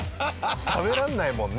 食べられないもんね